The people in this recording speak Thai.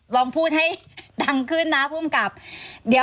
วองพูดให้ดังขึ้นนะภูมิกลับเดี๋ยว